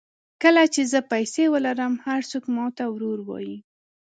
کله چې زه پیسې ولرم هر څوک ماته ورور وایي.